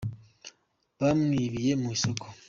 Bamwibiye mu isoko.